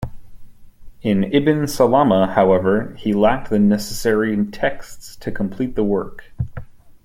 In Ibn Salama, however, he lacked the necessary texts to complete the work.